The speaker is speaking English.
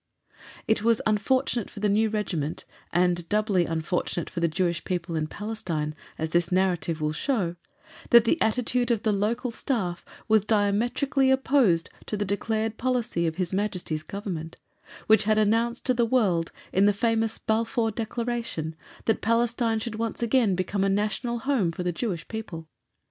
It was unfortunate for the new Regiment, and doubly unfortunate for the Jewish people in Palestine, as this narrative will show, that the attitude of the local Staff was diametrically opposed to the declared policy of His Majesty's Government, which had announced to the world, in the famous Balfour Declaration, that Palestine should once again become a National Home for the Jewish people.